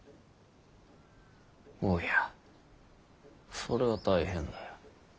おやそれは大変だ。